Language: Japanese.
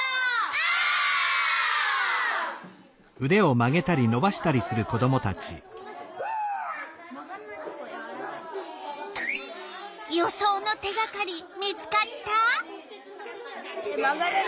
オ！予想の手がかり見つかった？